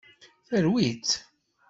Terwi-tt.